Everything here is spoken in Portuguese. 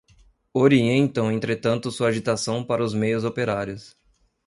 orientam entretanto sua agitação para os meios operários